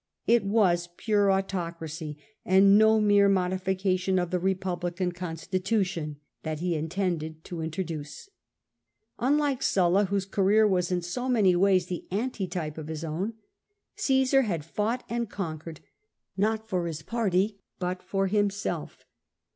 It was pure autocracy, and no mere modification of the republican constitution, that he intended to introduce. Unlike Sulla, whose career was in so many ways the antitype of his own, Caesar had fougiit and con((uered not for his party but for himself.